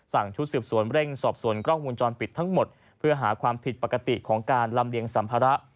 ชุดสืบสวนเร่งสอบสวนกล้องวงจรปิดทั้งหมดเพื่อหาความผิดปกติของการลำเลียงสัมภาระ